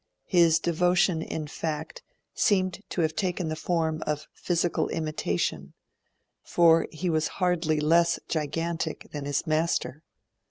His devotion, in fact, seemed to have taken the form of physical imitation, for he was hardly less gigantic than his master.